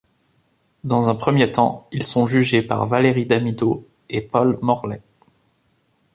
Dans un premier temps, ils sont jugés par Valérie Damidot et Paul Morlet.